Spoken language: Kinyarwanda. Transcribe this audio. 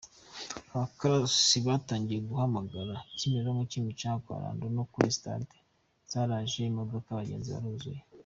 Abakarasi batangiye guhamagara “Kimironko, Kimicanga kwa Rando no kuri Stade ! Zaraje !” Imodoka abagenzi baruzuye.